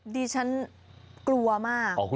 ดิฉันกลัวมาก